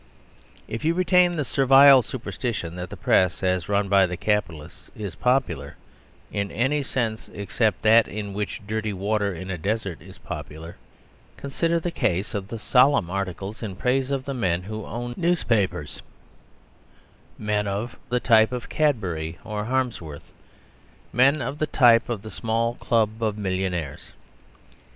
If you retain the servile superstition that the Press, as run by the capitalists, is popular (in any sense except that in which dirty water in a desert is popular), consider the case of the solemn articles in praise of the men who own newspapers men of the type of Cadbury or Harmsworth, men of the type of the small club of millionaires.